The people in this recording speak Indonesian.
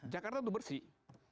jakarta itu bersih